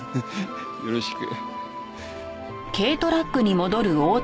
よろしく。